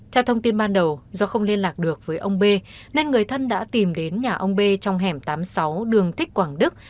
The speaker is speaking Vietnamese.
theo thông tin ban đầu do không liên lạc được với ông b nên người thân đã tìm đến nhà ông b trong hẻm tám mươi sáu đường thích quảng đức